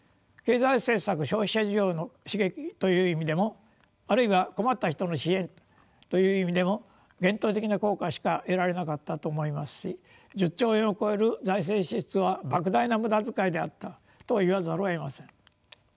経済政策消費者需要の刺激という意味でもあるいは困った人の支援という意味でも限定的な効果しか得られなかったと思いますし１０兆円を超える財政支出はばく大な無駄遣いであったと言わざるをえません。